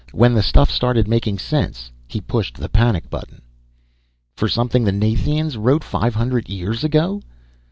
When the stuff started making sense he pushed the panic button." "For something the Nathians wrote five hundred years ago?"